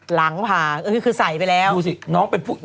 หลังผ่าเอ๋คือใส่ไปแล้ว